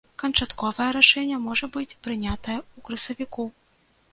Канчатковае рашэнне можа быць прынятае ў красавіку.